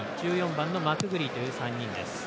１４番のマクグリーという３人。